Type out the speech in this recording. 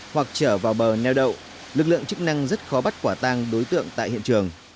hoặc trở vào bờ neo đậu lực lượng chức năng rất khó bắt quả tang đối tượng tại hiện trường